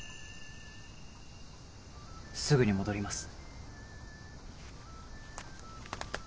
すぐに戻ります